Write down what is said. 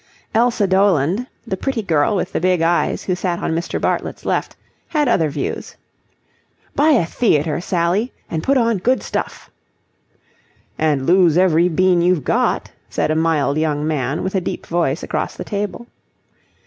Elsa Doland, the pretty girl with the big eyes who sat on Mr. Bartlett's left, had other views. "Buy a theatre, Sally, and put on good stuff." "And lose every bean you've got," said a mild young man, with a deep voice across the table.